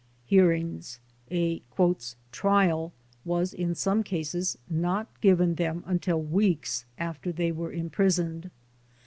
Hearings A "trial" was in some cases not given them until weeks after they were imprisoned.